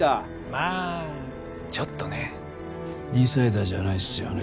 まあちょっとねインサイダーじゃないっすよね？